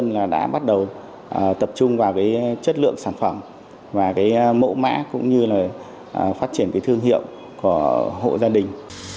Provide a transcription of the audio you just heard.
tôi đã bắt đầu tập trung vào chất lượng sản phẩm và mẫu mã cũng như phát triển thương hiệu của hộ gia đình